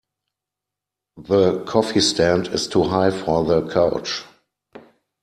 The coffee stand is too high for the couch.